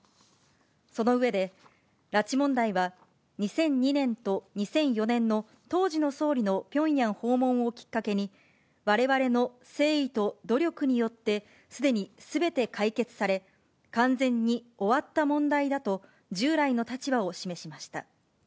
その上で、拉致問題は２００２年と２００４年の当時の総理のピョンヤン訪問をきっかけに、われわれの誠意と努力によってすでにすべて解決され、完全に終わった問題だと、従来の立場を示しました。